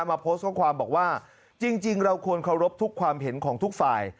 มาโพสต์ข้อความบอกว่าจริงเราควรเคารพทุกความเห็นของทุกฝ่าย